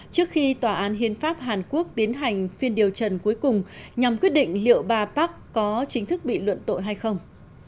trước khi tòa án hiến pháp hàn quốc tiến hành phiên điều trần cuối cùng nhằm quyết định liệu bà park có chính thức bị luận tội hay không